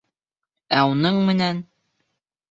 Ә уның менән...